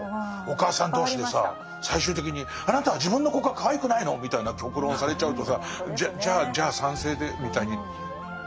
お母さん同士でさ最終的に「あなたは自分の子がかわいくないの？」みたいな極論をされちゃうとさ「じゃじゃあじゃあ賛成で」みたいになっちゃうよね。